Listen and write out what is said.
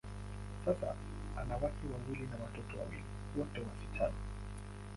Sasa, ana wake wawili na watoto wawili, wote wasichana.